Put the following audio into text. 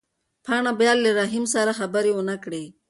پاڼه به بیا له رحیم سره خبرې ونه کړي.